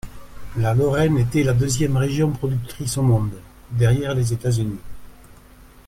La Lorraine était la deuxième région productrice au monde, derrière les États-Unis.